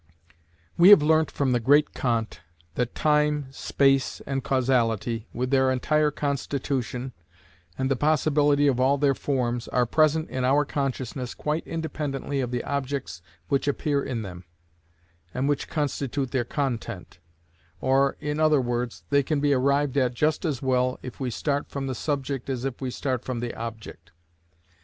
We have learnt from the great Kant that time, space, and causality, with their entire constitution, and the possibility of all their forms, are present in our consciousness quite independently of the objects which appear in them, and which constitute their content; or, in other words, they can be arrived at just as well if we start from the subject as if we start from the object.